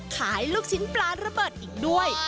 ลูกชิ้นปลาระเบิดอีกด้วย